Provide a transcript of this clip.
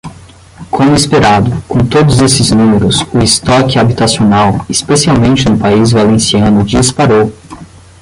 Como esperado, com todos esses números, o estoque habitacional, especialmente no país valenciano, disparou.